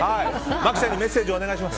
麻貴さんにメッセージお願いします。